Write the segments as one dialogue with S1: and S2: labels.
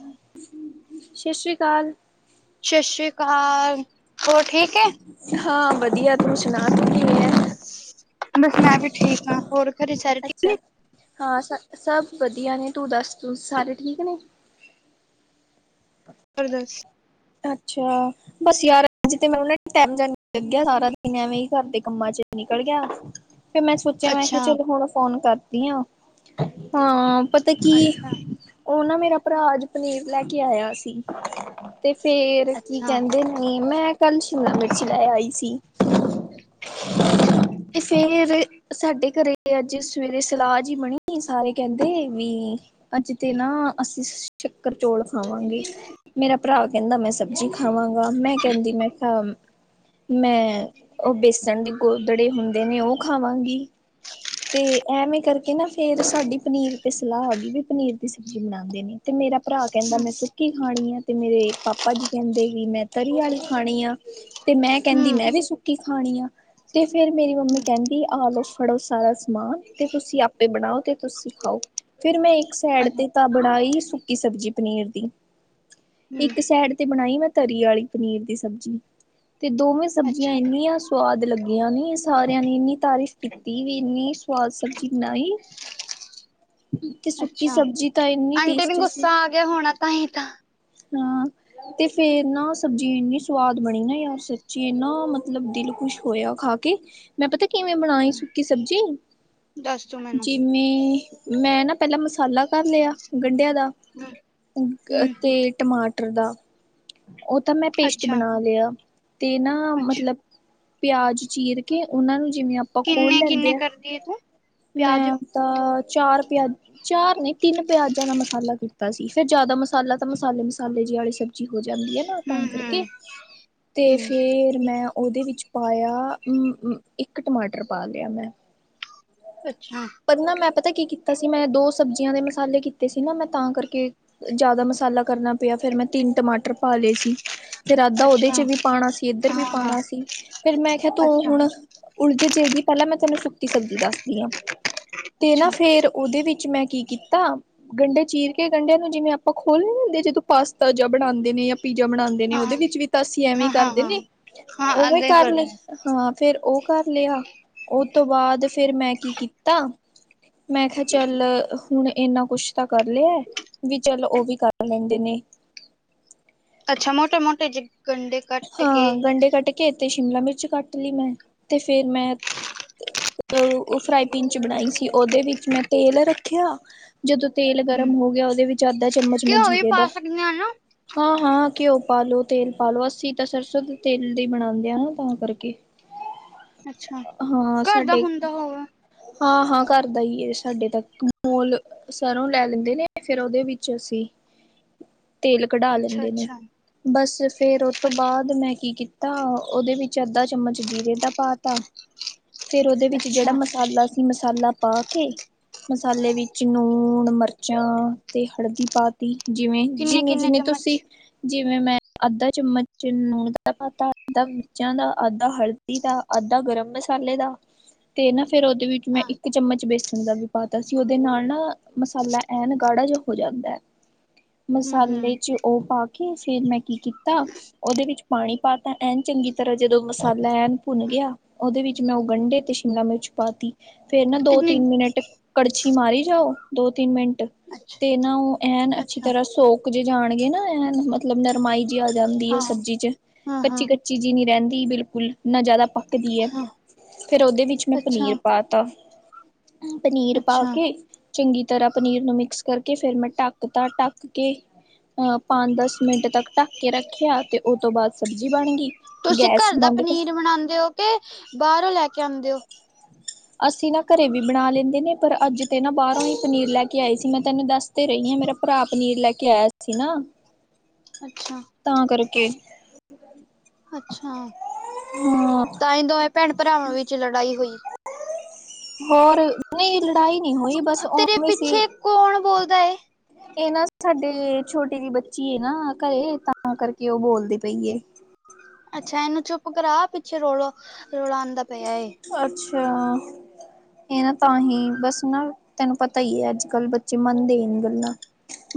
S1: ਹਮ
S2: ਸਤਿ ਸ੍ਰੀ ਅਕਾਲ
S1: ਸਾਤ ਸ੍ਰੀ ਅਕਾਲ, ਹੋਰ ਠੀਕ ਹੈ
S2: ਹਾਂ ਵਧੀਆ ਤੂੰ ਸੁਣਾ ਤੂੰ ਕਿਵੇਂ ਹੈ?
S1: ਬਸ ਮੈਂ ਵੀ ਠੀਕ ਹਾਂ, ਹੋਰ ਘਰੇ ਸਾਰੇ ਠੀਕ
S2: ਅੱਛਾ
S1: ਨੇ
S2: ਹਾਂ ਸ ਸਭ ਵਧੀਆ ਨੇ, ਤੂੰ ਦੱਸ, ਤੂੰ ਸਾਰੇ ਠੀਕ ਨੇ
S1: ਅਰਦਾਸ
S2: ਅੱਛਾ ਬਸ ਯਾਰ ਤੇ ਮ ਉਹ ਟਮ ਜਾ ਲੱਗਿਆ ਸਾਰਾ ਦਿਨ ਐਵੇਂ ਹੀ ਘਰ ਦੇ ਕੰਮਾਂ 'ਚ ਨਿਕਲ ਗਿਆ ਫੇਰ ਮੈਂ ਸੋਚਿਆ ਮੈਂ ਕਿਹਾ
S1: ਅੱਛਾ
S2: ਚਲੋ ਹੁਣ ਫੋਨ ਕਰਦੀ ਆਂ ਹਾਂ, ਪਤਾ ਕੀ
S1: ਅੱਛਾ
S2: ਉਹ ਨਾ ਮੇਰਾ ਭਰਾ ਅੱਜ ਪਨੀਰ ਲੈ ਕੇ ਆਇਆ ਸੀ ਤੇ ਫੇਰ ਕੀ
S1: ਅੱਛਾ
S2: ਕਹਿੰਦੇ ਨੇ, ਮੈਂ ਕੱਲ ਸ਼ਿਮਲਾ ਮਿਰਚ ਲੈ ਆਈ ਸੀ।
S1: ਅੱਛਾ।
S2: ਤੇ ਫੇਰ ਸਾਡੇ ਘਰੇ, ਅੱਜ ਸਵੇਰੇ ਸਲਾਹ ਜੀ ਬਣੀ ਸਾਰੇ ਕਹਿੰਦੇ ਵੀ ਅੱਜ ਤੇ ਨਾ ਅੱਸੀ ਸ਼ੱਕਰ ਚੋਲ ਖਾਵਾਂਗੇ, ਮੇਰਾ ਭਰਾ ਕਹਿੰਦਾ ਮੈਂ ਸਬਜ਼ੀ ਖਾਵਾਂਗ ਮੈਂ ਕਹਿੰਦੀ, ਮੈਂ ਕਿਹਾ ਮੈਂ ਓ ਬੇਸਣ ਦੇ ਗੋਦੜੇ ਹੁੰਦੇ ਨੇ ਓ ਖਾਵਾਂਗੀ। ਤੇ ਐਵੇਂ ਕਰਕੇ ਨਾ ਫੇਰ ਸਾਡੀ ਪਨੀਰ ਤੇ ਸਲਾਹ ਆ ਗੀ ਵੀ ਪਨੀਰ ਦੀ ਸਬਜ਼ੀ ਬਣਾਦੇ ਨੇ ਤੇ ਮੇਰਾ ਭਰਾ ਕਹਿੰਦਾ ਮੈਂ ਸੁੱਕੀ ਖਾਣੀ ਆ ਤੇ ਮੇਰੇ ਪਾਪਾ ਜੀ ਕਹਿੰਦੇ ਕਿ ਮੈਂ ਤਰੀ ਵਾਲੀ ਖਾਣੀ ਆ। ਤੇ ਮੈਂ ਕਹਿੰਦੀ
S1: ਹਮ
S2: ਮੈਂ ਵੀ ਸੁੱਕੀ ਖਾਣੀ ਆ ਤੇ ਫੇਰ ਮੇਰੀ ਮੰਮੀ ਕਹਿੰਦੀ ਆ ਲੋ ਫੜੋ ਸਾਰਾ ਸਮਾਨ ਤੇ ਤੁਸੀਂ ਆਪੇ ਬਣਾਓ ਤੇ ਤੁਸੀਂ ਖਾਓ ਫਿਰ ਮੈਂ ਇੱਕ ਸੈਡ ਤੇ ਤਾਂ ਬਣਾਈ ਸੁੱਕੀ ਸਬਜ਼ੀ ਪਨੀਰ ਦੀ।
S1: ਹਮ
S2: ਇੱਕ ਸੈਡ ਤੇ ਬਣਾਈ ਮੈਂ ਤਰੀ ਆਲੀ ਪਨੀਰ ਦੀ ਸਬਜ਼ੀ ਤੇ ਦੋਵੇਂ ਸਬਜ਼ੀਆਂ
S1: ਅੱਛਾ
S2: ਇੰਨੀਆ ਸੁ ਸਵਾਦ ਲੱਗੀਆਂ ਨੇ, ਸਾਰਿਆਂ ਨੇ ਇੰਨੀ ਤਾਰੀਫ਼ ਕੀਤੀ ਵੀ ਇੰਨੀ ਸਵਾਦ ਸਬਜ਼ੀ ਬਨਾਈ। ਤੇ ਸੁੱਕੀ ਸਬਜ਼ੀ ਤਾਂ ਇੰਨੀ ਟੇਸਟੀ ਸੀ।
S1: ਤੇ ਹੋਣਾ ਤਾਂ ਹੀ ਤਾਂ
S2: ਹਾਂ ਤੇ ਫੇਰ ਨਾ ਸਬਜ਼ੀ ਇੰਨੀ ਸਵਾਦ ਬਣੀ ਨਾ ਯਾਰ, ਸੱਚੀ ਇਨਾ ਮਤਲਬ ਦਿਲ ਖੁਸ਼ ਹੋਇਆ ਖਾ ਕੇ, ਮੈਂ ਪਤਾ ਕਿਵੇਂ ਬਣਾਈ ਸੁੱਕੀ ਸਬਜ਼ੀ
S1: ਦੱਸ ਤੂੰ ਮੈਨੂੰ
S2: ਜ ਮ ਮੈਂ ਨਾ ਪਹਿਲਾਂ ਮਸਾਲਾ ਕਰ ਲਿਆ ਗੰਢਿਆਂ ਦਾ
S1: ਹਮ
S2: ਤੇ ਟਮਾਟਰ ਦਾ ਓ ਤਾਂ ਮੈਂ ਪੇਸਟ
S1: ਅੱਛਾ
S2: ਬਨਾ ਲਿਆ ਤੇ ਨਾ
S1: ਅੱਛਾ
S2: ਮਤਲਬ ਪਿਆਜ ਚੀਰ ਕੇ ਓਨਾਂ ਨੂੰ ਜਿਵੇਂ ਆਪਾਂ ਖੋਲ
S1: ਕਿੰਨੇ-ਕਿੰਨੇ
S2: ਲੈਂਦੇ ਆ
S1: ਕਰਦੀ ਐ ਤੂੰ?
S2: ਮੈਂ
S1: ਪਿਆਜ
S2: ਆਪਦਾ ਚਾਰ ਪਿਆ, ਚਾਰ ਨੇ ਤਿੰਨ ਪਿਆਜਾਂ ਦਾ ਮਸਾਲਾ ਕੀਤਾ ਸੀ ਫੇਰ ਜਾਦਾ ਮਸਾਲਾ ਤਾਂ ਮਸਾਲੇ, ਮਸਾਲੇ ਜੀ ਆਲੀ ਸ ਸਬਜ਼ੀ ਹੋ ਜਾਂਦੀ ਐ ਨਾ ਤਾਂ
S1: ਹਮ ਹਮ
S2: ਕਰਕੇ ਤੇ
S1: ਹਮ
S2: ਫੇਰ ਮੈਂ ਓਦੇ ਵਿੱਚ ਪਾਇਆ, [unintelligible] ਇੱਕ ਟਮਾਟਰ ਪਾ ਲਿਆ ਮੈਂ
S1: ਅੱਛਾ।
S2: ਫੇਰ ਨਾ ਮੈਂ ਪਤਾ ਕੀ ਕੀਤਾ ਸੀ, ਮੈਂ ਦੋ-ਸਬਜ਼ੀਆਂ ਦੇ ਮਸਾਲੇ ਕੀਤੇ ਸੀ, ਨਾ ਮੈਂ ਤਾਂ ਕਰਕੇ। ਜਾਦਾ ਮਸਾਲਾ ਕਰਨਾ ਪਿਆ, ਫੇਰ ਮੈਂ ਤਿੰਨ ਟਮਾਟਰ ਪਾ ਲਏ ਸੀ। ਫਿਰ ਅੱਧਾ ਓਦੇ
S1: ਅੱਛਾ
S2: 'ਚ ਵੀ ਪਾਣਾ ਸੀ, ਏਧਰ
S1: ਹਾਂ
S2: ਵੀ
S1: ਹਾਂ
S2: ਪਾਣਾ ਸੀ ਫਿਰ ਮੈਂ ਕਿਹਾ ਤੂੰ
S1: ਅੱਛਾ
S2: ਹੁਣ ਉਲਝ ਜਾਏਗੀ ਪਹਿਲਾਂ ਮੈਂ ਤੁੈਨੂੰ ਸੁੱਕੀ ਸਬਜ਼ੀ ਦੱਸਦੀ ਆਂ ਤੇ ਨਾ
S1: ਅੱਛਾ
S2: ਫੇਰ ਓਦੇ ਵਿੱਚ ਮੈਂ ਕੀ ਕੀਤਾ। ਗੰਡੇ ਚੀਰ ਕੇ ਗੰਡਿਆਂ ਨੂੰ ਜਿਵੇਂ ਆਪਾਂ ਖੋਲ੍ਹ ਨੀ ਦੇਂਦੇ ਜਦੋਂ ਪਾਸਤਾ ਜਾਂ ਬਣਾਦੇ ਨੇ ਜਾਂ ਪੀਜ਼ਾ ਬਣਾਦੇ ਨੇ
S1: ਹਾਂ
S2: ਓਦੇ
S1: ਹਾਂ
S2: ਵਿੱਚ ਵੀ ਤਾਂ ਅਸੀਂ ਐਵੇਂ
S1: ਹਾਂ ਹਾਂ
S2: ਕਰਦੇ
S1: ਹਾਂ
S2: ਨੇ,
S1: ਹਾਂ
S2: ਓਵੇਂ
S1: ਅੱਗੇ
S2: ਕਰ
S1: ਦੇ
S2: ਲਏ। ਹਾਂ ਫੇਰ ਓ ਕਰ ਲਿਆ, ਓ ਤੋਂ ਬਾਦ ਫੇਰ ਮੈਂ ਕੀ ਕੀਤਾ, ਮੈਂ ਕਿਹਾ ਚੱਲ ਹੁਣ ਇੰਨਾ ਕੁਛ ਤਾਂ ਕਰ ਲਿਆ ਵੀ ਚਲ ਓ ਵੀ ਕਰ ਲੈਂਦੇ ਨੇ।
S1: ਅੱਛਾ, ਮੋਟੇ-ਮੋਟੇ ਜੇ ਗੰਡੇ
S2: ਹਾਂ, ਗੰਡੇ ਕੱਟ ਕੇ ਤੇ ਸ਼ਿਮਲਾ ਮਿਰਚ ਕੱਟ ਲਈ ਮੈਂ ਤੇ ਫੇਰ ਮੈਂ ਤੇ ਓ, ਓ ਫਰਾਈ ਪੈਨ 'ਚ ਬਣਾਈ ਸੀ, ਓਦੇ ਵਿੱਚ ਮੈਂ ਤੇਲ ਰੱਖਿਆ। ਜਦੋਂ ਤੇਲ
S1: ਹੂੰ
S2: ਗਰਮ ਹੋ ਗਿਆ, ਓਦੇ ਵਿੱਚ ਅੱਧਾ ਚਮਚ ਮੈਂ
S1: ਘਿਓ ਵੀ
S2: ਜੀਰੇ ਦਾ
S1: ਪਾ ਸਕਦੇ ਆ ਨਾ
S2: ਹਾਂ-ਹਾਂ‌, ਘਿਓ ਪਾਾਲੋ, ਤੇਲ ਪਾਲੋ‌। ਅਸੀ ਤੇ ਸਰਸੋਂ ਦੇ ਤੇਲ ਦੇ ਈ ਬਣਾਦੇ ਆ ਨਾ ਤਾਂ ਕਰਕੇ।
S1: ਅੱਛਾ
S2: ਹਾਂ,
S1: ਘਰ ਦਾ
S2: ਸਾਡੇ
S1: ਹੁੰਦਾ ਹੋਵੇ
S2: ਹਾਂ, ਹਾਂ। ਕਰ ਦਾ ਹੀ ਹੈ। ਸਾਡੇ ਤੱਕ ਮੋਲ ਸਰੋਂ ਲੈ ਲੈਂਦੇ ਨੇ ਫੇਿਰ ਉਹਦੇ ਵਿੱਚ ਅਸੀਂ ਤੇਲ ਕਢਾ ਲੈਂਦੇ ਨੇ,
S1: ਅੱਛਾ-ਅੱਛਾ
S2: ਬਸ ਫੇਰ ਤੋਂ ਬਾਅਦ, ਮੈਂ ਕੀ ਕੀਤਾ ਉਹਦੇ ਵਿੱਚ ਅੱਧਾ-ਚਮਚ ਜੀਰੇ ਦਾ ਪਾ ਤਾ ਫੇਰ ਉਹਦੇ ਵਿੱਚ ਜਿਹੜਾ
S1: ਅੱਛਾ
S2: ਮਸਾਲਾ ਸੀ, ਮਸਾਲਾ ਪਾ ਮਸਾਲੇ ਵਿੱਚ ਲੂਣ, ਮਿਰਚਾਂ ਤੇ ਹਲਦੀ ਪਾ ਜਿਵੇਂ ਜਿੰਨੀ,
S1: ਕਿੰਨੇ-ਕਿੰਨੇ
S2: ਜਿੰਨੀ ਤੁਸੀਂ
S1: ਚਮਚ
S2: ਜਿਵੇਂ ਮੈਂ ਅੱਧਾ ਚਮਚ ਨੂਣ ਦਾ ਪਾਤਾ ਅੱਧਾ ਮਿਰਚਾਂ ਦਾ ਅੱਧਾ ਹਲਦੀ ਦਾ ਅੱਧਾ ਗਰਮ ਮਸਾਲੇ ਦਾ ਤੇ ਨਾ ਫੇਿਰ ਉਹਦੇ ਵਿੱਚ ਮੈਂ
S1: ਹਾਂ
S2: ਇੱਕ ਚਮਚ ਬੇਸਣ ਦਾ ਵੀ ਪਾਤਾ ਸੀ, ਉਹਦੇ ਨਾਲ ਨਾ ਮਸਾਲਾ, ਐਨ ਗਾੜਾ ਜਿਹਾ ਹੋ ਜਾਂਦਾ।
S1: ਹੂੰ-ਹੂੰ
S2: ਮਸਾਲੇ ਚ ਉਹ ਪਾ ਕੇ, ਫਿਰ ਮੈਂ ਕੀ ਕੀਤਾ ਉਹਦੇ ਵਿੱਚ ਪਾਣੀ ਪਾ ਤਾ, ਐਨ ਚੰਗੀ ਤਰ੍ਹਾਂ ਜਦੋਂ ਮਸਾਲਾ ਐਨ ਭੁੰਨ ਗਿਆ। ਉਹਦੇ ਵਿੱਚ ਮੈਂ ਉਹ ਗੰਢੇ ਤੇ ਸ਼ਿਮਲਾ ਮਿਰਚ ਪਾਤੀ ਫੇਰ ਨਾ ਦੋ
S1: ਕਿੰਨੇ
S2: ਤਿੰਨ ਮਿੰਟ ਕੜਛੀ ਮਾਰੀ ਜਾਓ ਦੋ ਤਿੰਨ ਮਿੰਟ ਤੇ ਨਾ ਉਹ ਐਨ ਅੱਛੀ
S1: ਅੱਛਾ-ਅੱਛਾ
S2: ਤਰ੍ਹਾਂ ਸੋਕ ਜੇ ਜਾਣਗੇ ਨਾ ਐਨ ਮਤਲਬ ਨਰਮਾਈ ਆ ਜਾਂਦੀ ਹੈ
S1: ਹਾਂ
S2: ਸਬਜ਼ੀ ਚ
S1: ਹਾਂ-ਹਾਂ
S2: ਕੱਚੀ, ਕੱਚੀ ਜੀ ਨੀ ਰਹਿੰਦੀ ਬਿਲਕੁਲ, ਨਾ ਜਿਆਦਾ ਪ ਦੀ ਹੈ ਫਿਰ ਉਹਦੇ ਵਿੱਚ ਮੈਂ ਪਨੀਰ ਪਾ ਤਾ, ਪਨੀਰ ਪਾ
S1: ਅੱਛਾ-ਅੱਛਾ
S2: ਕੇ ਚੰਗੀ ਤਰ੍ਹਾਂ ਪਨੀਰ ਨੂੰ ਮਿਕਸ ਕਰਕੇ ਫਿਰ ਮੈਂ ਢੱਕ ਤਾ, ਢੱਕ ਕੇ ਅਹ ਪਾਉਣ ਦਾ ਮਿੰਟ ਤੱਕ ਢੱਕ ਕੇ ਰੱਖਿਆ ਤੇ ਉਹ ਤੋਂ ਬਾਅਦ ਸਬਜ਼ੀ ਬਣ ਗਈ।
S1: ਤੁਸੀਂ
S2: ਗੈਸ
S1: ਘਰ ਦਾ
S2: ਬੰਦ ਕਰ
S1: ਪਨੀਰ ਬਣਾਉਂਦੇ ਹੋ ਕੇ ਬਾਹਰੋਂ ਲੈ ਕੇ ਆਉਂਦੇ ਹੋ।
S2: ਅਸੀਂ ਨਾ ਘਰੇ ਵੀ ਬਣਾ ਲੈਂਦੇ ਨੇ, ਪਰ ਅੱਜ ਤੇ ਬਾਹਰੋਂ ਹੀ ਪਨੀਰ ਲੈ ਕੇ ਆਈ ਸੀ। ਮੈਂ ਤੈਨੂੰ ਦੱਸਦੇ ਰਹੀ ਹਾਂ, ਮੇਰਾ ਭਰਾ ਪਨੀਰ ਲੈ ਕੇ ਆਇਆ ਸੀ ਨਾ। [unintelligible]
S1: ਅੱਛਾ।
S2: ਤਾਂ ਕਰਕੇ
S1: ਅੱਛਾ,
S2: ਹਾਂ
S1: ਤਾਂਹੀ ਦੋਵੇਂ ਭੈਣ ਭਰਾਵਾਂ ਵਿੱਚ ਲੜਾਈ ਹੋਈ।
S2: ਹੋਰ ਨਹੀਂ ਲੜਾਈ ਨਹੀਂ ਹੋਈ ਬਸ
S1: ਤੇਰੇ
S2: ਉਵੇਂ ਸੀ
S1: ਪਿੱਛੇ ਕੌਣ ਬੋਲਦਾ?
S2: ਇਹ ਨਾ ਸਾਡੇ ਛੋਟੀ ਜਿਹੀ ਬੱਚੀ ਨਾ ਘਰੇ ਤਾਂ ਕਰਕੇ ਉਹ ਬੋਲਦੇ ਪਈ ਏ।
S1: ਅੱਛਾ ਇਹਨੂੰ ਚੁੱਪ ਕਰਾ ਪਿੱਛੇ ਰੌਲਾ, ਰੌਲਾ ਆਉਣਂ ਦਾ।
S2: ਅੱਛਾ। ਇਹ ਨਾ ਤਾਂ ਹੀ ਬਸ ਨਾ ਤੈਨੂੰ ਪਤਾ ਹੀ ਹੈ ਅੱਜ ਕੱਲ ਬੱਚੇ ਮੰਨਦੇ ਨਹੀ ਗੱਲਾਂ।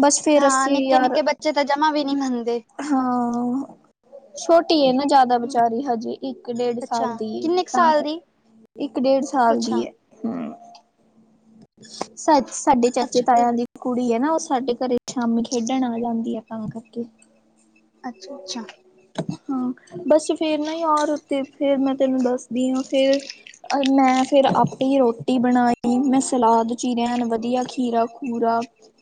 S2: ਬਸ ਫੇਰ
S1: ਹਾਂ
S2: ਅੱਸੀ ਯਾਰ
S1: ਨਿੱਕੇ-ਨਿੱਕੇ ਬੱਚੇ ਤਾਂ ਜਮਾ ਵੀ ਨਹੀਂ ਮੰਨਦੇ।
S2: ਹਾਂ ਛੋਟੀ ਹੈ ਨਾ ਜ਼ਿਆਦਾ। ਦਾ ਵਿਚਾਰੀ ਹਜੇ ਇੱਕ ਡੇਢ ਸਾਲ
S1: ਅੱਛਾ
S2: ਦੀ
S1: ਕਿੰਨੇ ਕੁ
S2: ਤਾਂ
S1: ਸਾਲ
S2: ਕਰ
S1: ਦੀ
S2: ਕੇ, ਇੱਕ ਡੇਢ ਸਾਲ ਦੀ
S1: ਅੱਛਾ
S2: ਏ। ਸਾ ਸਾਡੇ ਚਾਚੇ
S1: ਅੱਛਾ ਫਿਰ
S2: ਤਾਇਆ ਦੀ ਕੁੜੀ ਹੈ ਨਾ, ਉਹ ਸਾਡੇ ਘਰੇ ਸ਼ਾਮੀ ਖੇਡਣ ਆ ਜਾਂਦੀ ਹੈ। ਅ ਕਰਕੇ
S1: ਅੱਛਾ, ਅੱਛਾ।
S2: ਹਾਂ ਬਸ ਫੇਰ ਨਾ ਯਾਰ ਉੱਤੇ ਫਿਰ ਮੈਂ ਤੈਨੂੰ ਦੱਸਦੀ ਹਾਂ ਫੇਰ ਮੈਂ ਫੇਰ ਆਪੇ ਰੋਟੀ ਬਣਾਈ, ਮੈਂ ਸਲਾਦ ਚੀਰੀਆ ਐਣ ਵਧੀਆ ਖੀਰਾ ਖੂਰਾ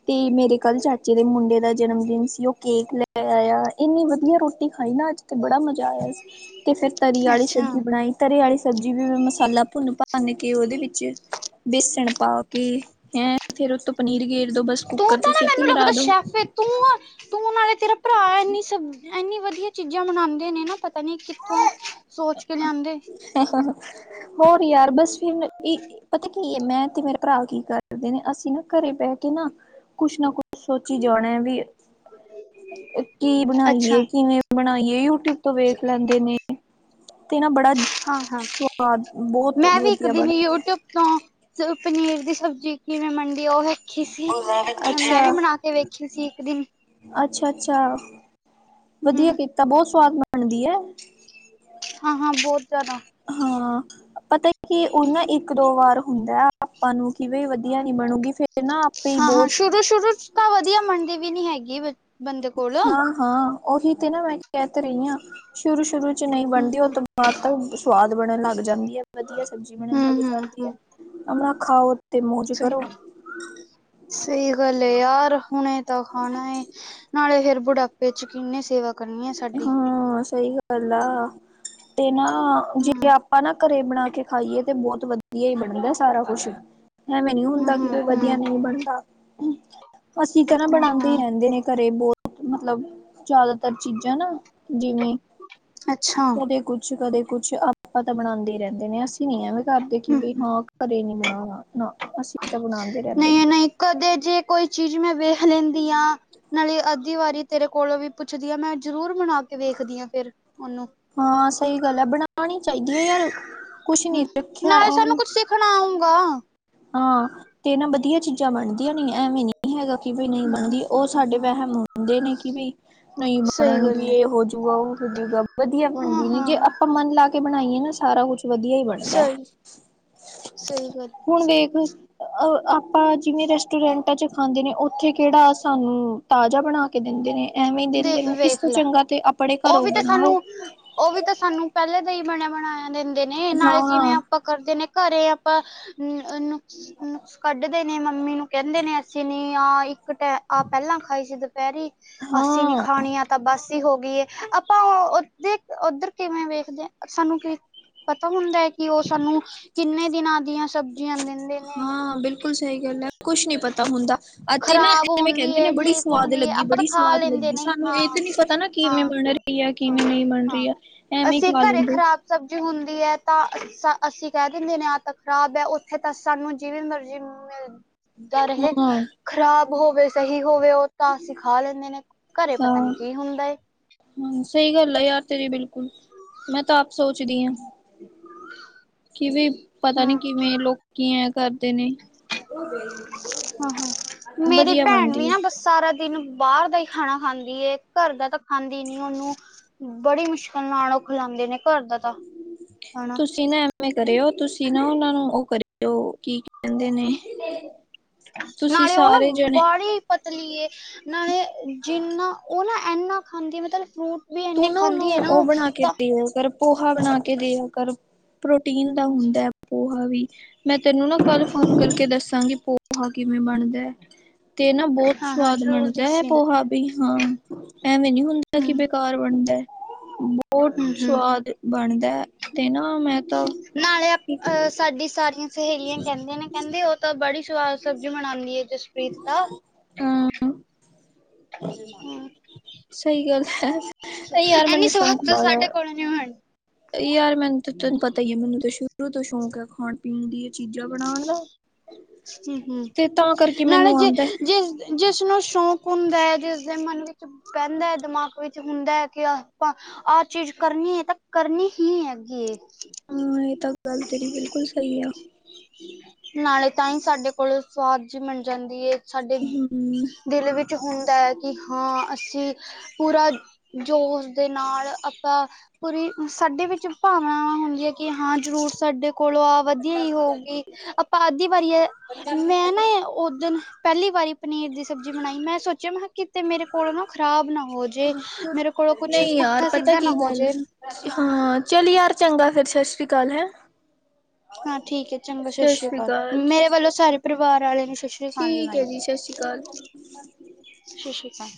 S2: ਤੇ ਮੇਰੇ ਕੱਲ ਚਾਚੇ ਦੇ ਮੁੰਡੇ ਦਾ ਜਨਮ ਦਿਨ ਸੀ। ਉਹ ਕੇਕ ਲੈ ਆਇਆ। ਇੰਨੀ ਵਧੀਆ ਰੋਟੀ ਖਾਈ ਨਾ ਅੱਜ ਤੇ ਬੜਾ ਮਜ਼ਾ ਆਇਆ ਸੀ। ਅਤੇ ਫਿਰ ਤਰੀ
S1: ਅੱਛਾ
S2: ਵਾਲੀ ਸਬਜ਼ੀ
S1: ਅੱਛਾ
S2: ਬਣਾਈ। ਤਰੀ ਵਾਲੀ ਸਬਜ਼ੀ ਵੀ ਮਸਾਲਾ ਭੁੰਨ ਭਨ ਕੇ ਉਹਦੇ ਵਿੱਚ ਬੇਸਣ ਪਾ ਕੇ ਹੈਂ ਫੇਰ ਉਤੋਂ ਪਨੀਰ ਗੇਰ ਦੋ ਬਸ
S1: ਤੂੰ
S2: ਕੁੱਕਰ ਚ
S1: ਤਾਂ ਨਾ
S2: ਸਿੱਟੀ
S1: ਮੈਨੂੰ
S2: ਮਰਾ
S1: ਲੱਗਦਾ
S2: ਦੋ।
S1: ਸ਼ੈਫ ਏ ਤੂੰ ਆ ਤੂੰ ਨਾਲੇ ਤੇਰਾ ਭਰਾ ਇਨੀ ਸ ਐੰਨੀ ਵਧੀਆ ਚੀਜ਼ਾਂ ਬਨਾਉਂਦੇ ਨੇ ਨਾ ਪਤਾ ਨੀ ਕਿੱਥੋਂ ਸੋਚ ਕੇ ਲਿਆਂਦੇ।
S2: ਉਹ ਨਹੀਂ ਯਾਰ ਬਸ ਫਿਰ ਇਕ। ਪਤਾ ਕੀ ਹੈ ਮੈਂ ਤੇ ਮੇਰੇ ਭਰਾ ਕੀ ਕਰਦੇ ਨੇ ਅਸੀਂ ਨਾ ਘਰੇ ਬਹਿ ਕੇ ਨਾ ਕੁਛ ਨਾ ਕੁਛ ਸੋਚੀ ਜਾਣਾ ਵੀ ਕੀ
S1: ਅੱਛਾ
S2: ਬਣਾਈਏ ਕਿਵੇਂ ਬਣਾਈਏ ਯੂਟਿਊਬ ਤੋਂ ਵੇਖ ਲੈਂਦੇ ਨੇ। ਤੇ ਨਾ ਬੜਾ
S1: ਹਾਂ, ਹਾਂ
S2: ਸਵਾਦ ਬਹੁਤ
S1: ਮੈਂ ਵੀ ਇੱਕ
S2: ਵਧੀਆ
S1: ਦਿਨ
S2: ਬਣ
S1: ਯੂਟਿਊਬ ਤੋਂ ਚਲੋ ਪਨੀਰ ਦੀ ਸਬਜ਼ੀ ਕਿਵੇਂ ਬੰਨਦੀ ਉਹ ਵੇਖੀ ਸੀ ਅ ਮੈਂ
S2: ਅੱਛਾ
S1: ਵੀ ਬਣਾ ਕੇ ਵੇਖੀ ਸੀ ਇੱਕ ਦਿਨ
S2: ਅੱਛਾ -ਅੱਛਾ
S1: ਹੂੰ
S2: ਵਧੀਆ ਕੀਤਾ ਬਹੁਤ ਸਵਾਦ ਬਣਦੀ ਹੈ।
S1: ਹਾਂ -ਹਾਂ ਬਹੁਤ ਜ਼ਿਆਦਾ।
S2: ਹਾਂ ਪਤਾ ਕਿ ਉਹ ਨਾ, ਇੱਕ ਦੋ, ਵਾਰ ਹੁੰਦਾ। ਆਪਾਂ ਨੂੰ, ਕਿਵੇਂ ਵਧੀਆ ਨੀ, ਬਣੂਗੀ ਫੇਰ ਨਾ, ਆਪੇ ਹੀ ਬਹੁਤ
S1: ਤੇ ਸ਼ੁਰੂ ਚ, ਤਾਂ ਵਧੀਆ ਬਣਦੀ ਵੀ, ਨੀ ਹੈਗੀ ਬੰਦੇ ਕੋਲ
S2: ਹਾਂ ਉਹੀ ਤੇ ਨਾ, ਮੈਂ ਕਹਿ ਤੇ ਰਹੀ ਹਾਂ, ਸ਼ੁਰੂ- ਸ਼ੁਰੂ ਚ, ਨਹੀਂ ਬਣਦੀ ਉਹ
S1: ਹੂੰ-ਹੂੰ,
S2: ਤੋਂ ਬਾਅਦ ਤਾਂ ਸਵਾਦ ਬਣਨ ਲੱਗ ਜਾਂਦੀ ਹੈ। ਵਧੀਆ ਸਬਜ਼ੀ ਬਣਨ ਲੱਗ ਜਾਂਦੀ ਹੈ।
S1: ਹੂੰ-ਹੂੰ-ਹੂੰ
S2: ਆਪਣਾ ਖਾਓ ਤੇ ਮੌਜ ਕਰੋ
S1: ਅੱਛਾ, ਸਹੀ ਗੱਲ ਏ ਯਾਰ। ਹੁਣੇ ਤਾਂ ਖਾਣਾ ਹੈ, ਨਾਲੇ ਫੇਰ ਬੁਢਾਪੇ ਚ, ਕਿੰਨੇ ਸੇਵਾ ਕਰਨੀ ਹੈ ਸਾਡੀ
S2: ਗੱਲਾ ਤੇ ਨਾ ਜੇ
S1: ਹੂੰ
S2: ਆਪਾਂ ਨਾ, ਘਰੇ ਬਣਾ ਕੇ, ਖਾਈਏ ਤੇ, ਬਹੁਤ ਵਧੀਆ ਹੀ ਬਣੇਗਾ ਸਾਰਾ ਕੁਛ ਹੀ ਐਵੇਂ ਨਹੀਂ ਹੁੰਦਾ ਕਿ
S1: ਹੂੰ
S2: ਕੋਈ ਵਧੀਆ
S1: ਹੂੰ
S2: ਨਹੀਂ ਬਣਦਾ। ਅਸੀਂ ਤਾਂ ਨਾ ਬਣਾਉਦੇ
S1: ਹਾਂ
S2: ਹੀ, ਰਹਿੰਦੇ ਨੇ ਘਰੇ ਬਹੁਤ ਮਤਲਬ ਜ਼ਿਆਦਾ ਤਰ ਚੀਜ਼ਾਂ ਨਾ, ਜਿਵੇਂ
S1: ਅੱਛਾ
S2: ਕਦੇ ਕੁਛ, ਕਦੇ ਕੁਛ। ਆਪਾ ਤਾਂ ਬਣਾਉਂਦੇ ਹੀ ਰਹਿੰਦੇ ਨੇ, ਅਸੀਂ ਨੀ ਐਵੇਂ ਕਰਦੇ ਕਿ
S1: ਹੂੰ
S2: ਵੀ ਹਾਂ ਘਰੇ ਨੀ ਬਣਾਣਾ ਨਾ ਅਸੀਂ ਤਾਂ ਬਣਾਉਂਦੇ ਰਹਿੰਦੇ ਨੇ
S1: ਨਹੀਂ-ਨਹੀਂ ਕਦੇ ਜੇ, ਕੋਈ ਚੀਜ਼ ਮੈਂ ਵੇਖ ਲੈਂਦੀ ਹਾਂ ਨਾਲੇ ਦੀ ਵਾਰੀ ਤੇਰੇ ਕੋਲੋਂ ਵੀ, ਪੁੱਛਦੀ ਹਾਂ ਮੈਂ ਜ਼ਰੂਰ ਬਨਾ ਕੇ ਵੇਖਦੀ ਹਾਂ ਫਿਰ ਉਹਨੂੰ
S2: ਹਾਂ ਸਹੀ ਗੱਲ ਹੈ, ਬਣਾਉਣੀ ਚਾਹੀਦੀ ਹੈ ਯਾਰ ਕੁਛ ਨੀ ਰੱਖਿਆ ਉਹਨੂੰ
S1: ਹਲਾਊਂਗਾ
S2: ਹਾਂ ਤੇ, ਨਾ ਵਧੀਆ ਚੀਜ਼ਾਂ ਬਣਦੀਆਂ। ਵਧੀਆ ਨਹੀਂ ਐਵੇਂ ਨਹੀਂ ਹੈਗਾ ਕਿ ਬਈ ਨਹੀਂ ਬਣਦੀ ਉਹ ਸਾਡੇ
S1: ਹੂੰ-ਹੂੰ,
S2: ਵਹਿਮ ਹੁੰਦੇ ਨੇ ਕਿ ਬਈ। ਨਹੀਂ
S1: ਸਹੀ
S2: ਬਣਨਗੀ
S1: ਗੱਲ ਏ
S2: ਇਹ ਹੋਜੂਗਾ! ਉਹ ਹੋਜੂਗਾ ਵਧੀਆ
S1: ਹਾਂ
S2: ਬਣਦੀ ਨੀ,
S1: ਹਾਂ
S2: ਜੇ ਆਪਾਂ
S1: ਹਾਂ
S2: ਮਨ ਲਾ ਕੇ ਕੇ ਬਣਾਈਏ ਨਾ ਸਾਰਾ ਕੁਛ ਵਧੀਆ ਹੀ ਬਣੂ।
S1: ਸਹੀ -ਸਹੀ ਗੱਲ ਹੈ।
S2: ਹੁਣ ਵੇਖ, ਆਪਾਂ ਜਿਵੇਂ ਰੈਸਟੋਰੈਂਟਾਂ ਚ, ਖਾਂਦੇ ਨੇ ਉੱਥੇ ਕਿਹੜਾ ਸਾਨੂੰ ਤਾਜ਼ਾ ਬਣਾ ਕੇ, ਦਿੰਦੇ ਨੇ ਐਵੇਂ ਹੀ
S1: ਦੇ
S2: ਦਿੰਦੇ ਨੇ, ਇਸ
S1: ਵੇਖ
S2: ਤੋਂ
S1: ਲੈ
S2: ਚੰਗਾ ਤੇ, ਆਪਣੇ
S1: ਉਹ
S2: ਘਰੋਂ
S1: ਵੀ ਤਾਂ ਸਾਨੂੰ
S2: ਬਣਾਓ।
S1: ਉਹ ਵੀ ਤਾਂ, ਸਾਨੂੰ ਪਹਿਲੇ ਦਾ ਹੀ ਬਣਿਆ -ਬਣਾਇਆ ਦਿੰਦੇ ਨੇ, ਨਾਲੇ ਜਿਵੇਂ
S2: ਹਾਂ,
S1: ਆਪਾਂ ਕਰਦੇ ਨੇ ਘਰੇ ਆਪਾਂ ਨੁਕਸ ਨੁਕਸ ਕੱਢਦੇ ਨੇ ਮੰਮੀ ਨੂੰ, ਕਹਿੰਦੇ ਨੇ ਅਸੀ ਨੀ ਆਹ ਇੱਕ ਆਹ ਪਹਿਲਾਂ ਖਾਈ ਸੀ ਦੁਪਹਿਰੀ ਅੱਸੀ ਨੀ
S2: ਹਾਂ,
S1: ਖਾਣੀ ਆ, ਤਾਂ ਬਸੀ ਹੋ ਗਈ ਆਪਾਂ ਉਧਰ -ਉੱਧਰ ਕਿਵੇਂ ਵੇਖਦੇ। ਸਾਨੂੰ ਕੀ, ਪਤਾ ਹੁੰਦਾ ਹੈ ਕਿ ਉਹ ਸਾਨੂੰ ਕਿੰਨੇ ਦਿਨਾਂ ਦੀਆਂ ਸਬਜ਼ੀਆਂ ਦਿੰਦੇ। ਨੇ
S2: ਹਾਂ ਬਿਲਕੁਲ ਸਹੀ ਗੱਲ ਹੈ, ਕੁਛ ਨੀ ਪਤਾ ਹੁੰਦਾ। ਅਤੇ ਨਾ
S1: ਖ਼ਰਾਬ
S2: ਐਵੇਂ
S1: ਹੁੰਦੀ
S2: ਕੈਂਦੇ ਨੇ
S1: ਏ,
S2: ਬੜੀ
S1: ਠੀਕ
S2: ਸਵਾਦ
S1: ਹੁੰਦੀ ਏ,
S2: ਲੱਗੀ
S1: ਆਪਾਂ ਤਾਂ
S2: ਬੜੀ
S1: ਖਾ
S2: ਸਵਾਦ
S1: ਲੈਂਦੇ
S2: ਲੱਗੀ
S1: ਨੇ
S2: ਸਾਨੂੰ ਇਹ
S1: ਹਾਂ।
S2: ਤੇ ਨੀ ਪਤਾ ਨਾ ਕਿਵੇਂ
S1: ਹਾਂ,
S2: ਬਣ ਰੇ ਕਿਵੇਂ ਬਨ
S1: ਹਾਂ,
S2: ਰਈ ਐ
S1: ਹਾਂ,
S2: ਕਿਵੇਂ ਨਈ ਬਨ ਰਈ
S1: ਹਾਂ।
S2: ਐ ਐਵੇਂ
S1: ਅਸੀਂ
S2: ਖਵਾ
S1: ਘਰੇ
S2: ਲੈਂਦੇ ਆ।
S1: ਖ਼ਰਾਬ ਸਬਜ਼ੀ ਹੁੰਦੀ ਐ ਤਾਂ ਅਸੀਂ ਕਹਿ ਦਿੰਦੇ ਨੇ ਤਾਂ ਖ਼ਰਾਬ ਐ ਓਥੇ ਤਾਂ ਸਾਨੂੰ ਜਿਵੇਂ ਮਰਜ਼ੀ ਕਿਵੇਂ ਦਰ ਹੇ
S2: ਹਾਂ,
S1: ਖ਼ਰਾਬ ਹੋਵੇ ਸਹੀ ਹੋਵੇ ਓਹ ਤਾਂ ਅਸੀਂ ਖਾ ਲੈਂਦੇ ਨੇ, ਘਰੇ ਪਤਾ ਨੀ
S2: ਹਾਂ।
S1: ਕੀ ਹੁੰਦਾ ਏ।
S2: ਹਾਂ ਸਹੀ ਗੱਲ ਆ ਯਾਰ ਤੇਰੀ ਬਿਲਕੁਲ, ਮੈਂ ਤਾਂ ਆਪ ਸੋਚਦੀ ਆਂ। ਕਿਵੇਂ ਪਤਾ
S1: ਹੂੰ
S2: ਨੀ ਕਿਵੇਂ ਲੋਕ ਕੀ ਐ ਕਰਦੇ ਨੇ, ਓ ਗਈ ਓ
S1: ਹਾਂ
S2: ਗਈ,
S1: ਹਾਂ ਮੇਰੀ
S2: ਵਦੀਆ
S1: ਭੈਣ
S2: ਬਨਦੀ
S1: ਵੀ
S2: ਐ।
S1: ਨਾ ਬਸ ਸਾਰਾ ਦਿਨ ਬਾਰ ਦਾ ਈ ਖਾਨਾ ਖਾਂਦੀ ਏ, ਘਰ ਦਾ ਤਾਂ ਖਾਂਦੀ ਨੀ ਓਨੂੰ। ਬੜੀ ਮੁਸ਼ਕਲ ਨਾਲ ਓ ਖਲਾਉਂਦੇ ਨੇ, ਘਰ ਦਾ ਤਾਂ ਖਾਨਾ।
S2: ਤੁਸੀਂ ਨਾ ਐਮੈ ਕਰਿਓ ਤੁਸੀਂ ਨਾ ਓਨਾਂ ਨੂੰ ਓ ਕਰਿਓ ਕੀ ਕੈਂਦੇ ਨੇ ਤੁਸੀਂ
S1: ਨਾਲੇ ਓ ਨਾ
S2: ਸਾਰੇ ਜਣੇ
S1: ਵਾਲੀ ਪਤਲੀਏ ਨਾਲੇ ਜਿੰਨਾ ਓ ਨਾ ਐਨਾ ਖਾਂਦੀ ਐ ਮਤਲਬ ਫਰੂਟ ਵੀ ਇੰਨੇ
S2: ਤੂੰ ਨਾ ਓਨੂੰ
S1: ਖਾਂਦੀ ਹੈ
S2: ਓ
S1: ਉਹ
S2: ਬਨਾ ਕੇ
S1: ਤਾਂ
S2: ਦੇਆ ਕਰ ਪੋਹਾ ਬਨਾ ਕੇ ਦੇਆ ਕਰ, ਪ੍ਰੋਟੀਨ ਦਾ ਹੁੰਦਾ ਪੋਹਾ ਵੀ, ਮੈਂ ਤੈਨੂੰ ਨਾ ਕੱਲ ਫੋਨ ਕਰਕੇ ਦੱਸਾਂਗੀ ਪੋਹਾ ਕਿਵੇਂ ਬਨਦੈ। ਤੇ ਨਾ ਬੋਤ
S1: ਹਾਂ ਹਾਂ
S2: ਸਵਾਦ
S1: ਜ਼ਰੂਰ
S2: ਬਨਦਾ ਐ
S1: ਦੱਸੀ
S2: ਪੋਹਾ ਵੀ ਹਾਂ, ਐਵੇਂ ਨੀ ਹੁੰਦਾ
S1: ਹੂੰ
S2: ਕਿ ਘਰ ਬਨਦਾ ਬੋਤ
S1: ਹੂੰ ਹੂੰ
S2: ਸਵਾਦ ਬਨਦਾ ਤੇ ਨਾ ਮੈਂ ਤਾਂ
S1: ਨਾਲੇ ਆਪਾਂ ਅ ਸਾਡੀ ਸਾਰੀਆਂ ਸਹੇਲੀਆਂ ਕੈਂਦੀਆਂ ਨੇ ਕੈਂਦੇ ਓ ਤਾਂ ਬੜੀ ਸਵਾਦ ਸਬਜ਼ੀ ਬਨਾਂਦੀ ਐ ਜਸਪ੍ਰੀਤ ਤਾ। ਹੂੰ
S2: ਸਈ ਗੱਲ ਐ, ਓ ਯਾਰ
S1: ਇੰਨੀ
S2: ਮੈਨੂੰ
S1: ਸਵਾਦ
S2: ਸ਼ੌਕ
S1: ਤਾਂ
S2: ਵਾਲਾ ਆ।
S1: [inaudible]
S2: ਯਾਰ ਮੈਨੂੰ ਤੈਨੂੰ ਤਾਂ ਪਤਾ ਈ ਐ ਮੈਨੂੰ ਤਾਂ ਸ਼ੁਰੂ ਤੋਂ ਸ਼ੌਂਕ ਐ ਖਾਣ-ਪੀਣ ਦੀਆਂ ਚੀਜ਼ਾਂ ਬਨਾਨ ਦਾ।
S1: ਹੂੰ-ਹੂੰ,
S2: ਤੇ ਤਾਂ ਕਰਕੇ
S1: ਨਾਲੇ
S2: ਮੈਨੂੰ
S1: ਜੇ
S2: ਆਉਂਦਾ
S1: ਜਿਸ ਜਿਸਨੂੰ ਸ਼ੌਕ ਹੁੰਦਾ ਜਿਸਦੇ ਮਨ ਵਿੱਚ ਪੈਂਦਾ ਐ ਦਮਾਕ ਵਿੱਚ ਹੁੰਦਾ ਐ ਕਿ ਆਪਾਂ ਆਹ ਚੀਜ਼ ਕਰਨੀ ਏ ਤਾਂ ਕਰਨੀ ਹੀ ਹੈਗੀ ਏ।
S2: ਹਾਂ ਏ ਤਾਂ ਗੱਲ ਤੇਰੀ ਬਿਲਕੁਲ ਸਈ ਆ।
S1: ਨਾਲੇ ਤਾਂਈ ਸਾਡੇ ਕੋਲੋ ਸੁਆਦ ਜੀ ਬਨ ਜਾਂਦੀ ਏ। ਸਾਡੇ
S2: ਹੂੰ
S1: ਦਿਲ ਵਿੱਚ ਹੁੰਦਾ ਐ ਕਿ ਹਾਂ ਅਸੀਂ ਪੂਰਾ ਜੋਸ਼ ਦੇ ਨਾਲ ਆਪਾਂ ਪੂਰੀ ਸਾਡੇ ਵਿੱਚ ਭਾਵਨਾਵਾਂ ਹੁੰਦੀਆਂ ਐ। ਕਿ ਹਾਂ ਜ਼ਰੂਰ ਸਾਡੇ ਕੋਲੋਂ ਐ ਵਧੀਆ ਈ ਹੋਊਗੀ ਆਪਾਂ ਅੱਦੀ ਵਾਰੀ ਐ। ਮੈਂ ਨਾ ਏ ਓਦਨ ਪੈਲੀ ਵਾਰੀ ਪਨੀਰ ਦੀ ਸਬਜ਼ੀ ਬਣਾਈ, ਮੈਂ ਸੋਚਿਆ ਮਹਾਂ ਕਿਤੇ ਮੇਰੇ ਕੋਲੋ ਖਰਾਬ ਨਾ ਹੋ ਜੇ। ਮੇਰੇ ਕੋਲੋਂ ਕੁਛ
S2: ਨਈ ਯਾਰ
S1: ਪੁੱਠਾ
S2: ਪਤਾ
S1: ਸਿੱਧਾ
S2: ਕੀ
S1: ਨਾ ਹੋ
S2: ਗੱਲ
S1: ਜੇ
S2: ਹਾਂ ਚੱਲ ਯਾਰ ਚੰਗਾ ਫੇਰ ਸਸ ਰੀ ਕਾਲ ਹੈਂ।
S1: ਹਾਂ ਠੀਕ ਐ ਚੰਗਾ
S2: ਸਤਿ
S1: ਸਸ਼ ਰੀ
S2: ਸ੍ਰੀ
S1: ਕਾਲ,
S2: ਅਕਾਲ ਸਤਿ
S1: ਮੇਰੇ
S2: ਸ਼੍ਰੀ
S1: ਵੱਲੋਂ
S2: ਅਕਾਲ
S1: ਸਾਰੇ ਪਰਿਵਾਰ ਵਾਲਿਆਂ ਨੂੰ ਸਸ਼ੀ
S2: ਠੀਕ ਐ ਜੀ ਸਸ਼ੀ ਕਾਲ।
S1: ਸਸ਼ੀ ਕਾਲ।